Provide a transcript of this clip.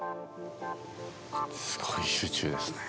すごい集中ですね。